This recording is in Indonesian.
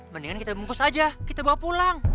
mendingan kita bungkus aja kita bawa pulang